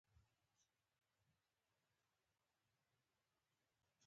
که ستاسو د ښوونځي دېوالونه پلستر شوي وي رنګ یې کړئ.